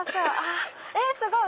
えすごい！